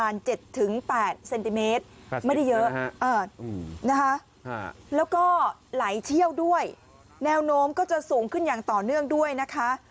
แนวโน้มก็จะสูงขึ้นอย่างต่อเนื่องด้วยนะคะ